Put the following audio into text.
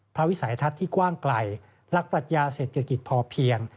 วิสัยทัศน์ที่กว้างไกลหลักปรัชญาเศรษฐกิจพอเพียง